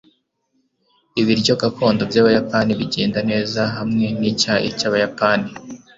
ibiryo gakondo byabayapani bigenda neza hamwe nicyayi cyabayapani